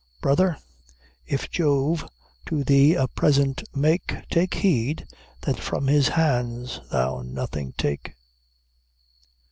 "Brother, if Jove to thee a present make, Take heed that from his hands thou nothing take."